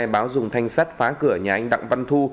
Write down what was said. báo dùng thanh sắt phá cửa nhà anh đặng văn thu